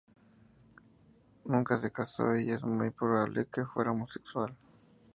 Nunca se casó y es muy probable que fuera homosexual.